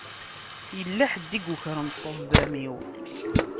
Yella ḥedd i yukren ṭṭezḍam-iw.